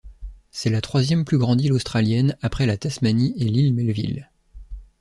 C'est la troisième plus grande île australienne après la Tasmanie et l'île Melville.